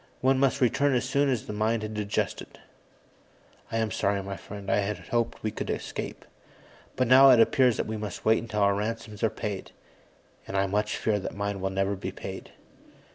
One must return as soon as the mind had adjusted. I am sorry, my friend; I had hoped we could escape. But now it appears that we must wait until our ransoms are paid. And I much fear that mine will never be paid."